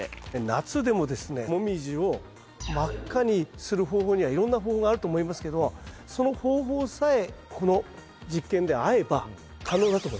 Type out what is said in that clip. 夏でももみじを真っ赤にする方法にはいろんな方法があると思いますけどその方法さえこの実験で合えば可能だと思います。